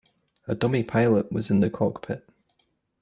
A dummy pilot was in the cockpit.